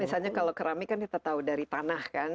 misalnya kalau keramik kan kita tahu dari tanah kan